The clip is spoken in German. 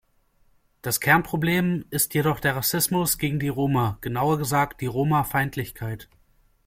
Das Kernproblem ist jedoch der Rassismus gegen die Roma, genauer gesagt die Romafeindlichkeit.